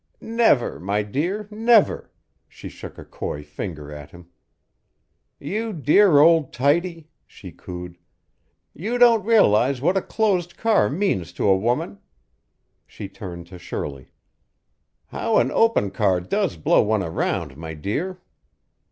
"Never, my dear, never." She shook a coy finger at him. "You dear old tightie," she cooed, "you don't realize what a closed car means to a woman." She turned to Shirley. "How an open car does blow one around, my dear!"